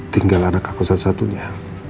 tinggal anak aku satu satunya